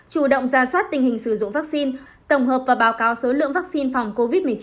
chủ động ra soát tình hình sử dụng vaccine tổng hợp và báo cáo số lượng vaccine phòng covid một mươi chín